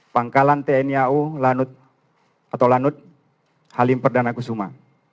pangkalan tniau lanut halim perdana kusuma